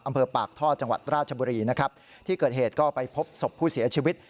อำเภอปากท่อจังหวัดราชบุรีนะครับที่เกิดเหตุก็ไปพบศพผู้เสียชีวิต